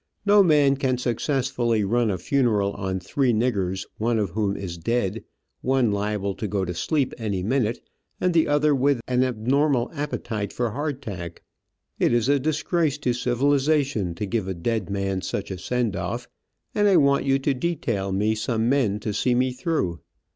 No man can successfully run a funeral on three niggers, one of whom is dead, one liable to go to sleep any minute, and the other with an abnormal appetite for hardtack. It is a disgrace to civilization to give a dead man such a send off, and I want you to detail me some men to see me through.